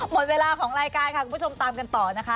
หมดเวลาของรายการค่ะคุณผู้ชมตามกันต่อนะคะ